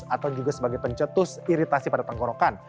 atau juga sebagai pencetus iritasi pada tenggorokan